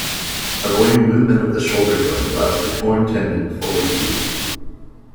Avoiding movement of the shoulder joint allows the torn tendon to fully heal.